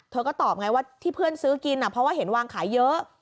ก็ตอบไงว่าที่เพื่อนซื้อกินเพราะว่าเห็นวางขายเยอะ